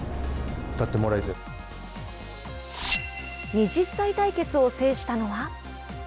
２０歳対決を制したのは。